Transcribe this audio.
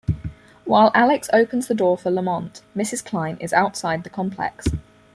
While Alex opens the door for Lamont, Mrs. Klein is outside the complex.